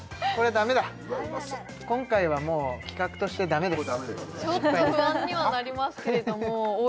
ダメだ今回はもう企画としてダメです